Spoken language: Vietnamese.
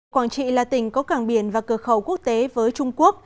quảng trị là tỉnh có cảng biển và cửa khẩu quốc tế với trung quốc